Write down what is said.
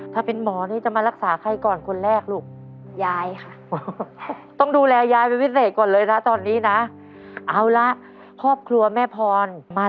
ก็เมื่อเทอมม๒